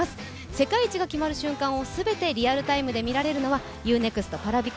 世界一が決まる瞬間を全てリアルタイムで見られるのはＵ−ＮＥＸＴＰａｒａｖｉ